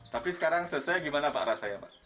tapi sekarang selesai gimana pak rasa ya pak